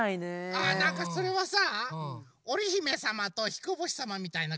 あなんかそれはさおりひめさまとひこぼしさまみたいなかんじ？